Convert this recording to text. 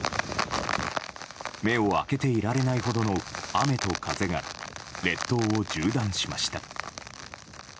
目を開けていられないほどの雨と風が、列島を縦断しました。